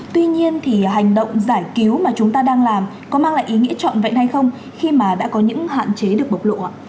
tuy nhiên thì hành động giải cứu mà chúng ta đang làm có mang lại ý nghĩa trọn vẹn hay không khi mà đã có những hạn chế được bộc lộ